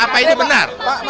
apa itu benar